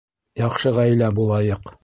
Яҡшы ғаилә булайыҡ